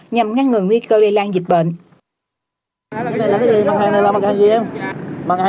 nhằm ngăn ngừng nguy cơ lây lan dịch bệnh